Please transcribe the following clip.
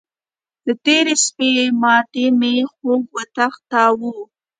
د تېرې شپې ماتې مې خوب وتښتاوو.